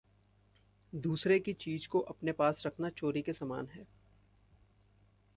दूसरे की चीज़ को अपने पास रखना चोरी के समान है।